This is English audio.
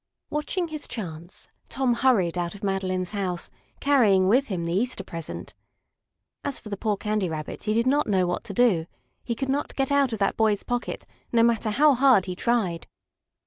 Watching his chance, Tom hurried out of Madeline's house, carrying with him the Easter present. And as for the poor Candy Rabbit, he did not know what to do. He could not get out of that boy's pocket, no matter how hard he tried.